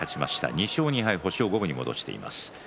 ２勝２敗で星を五分に戻しています。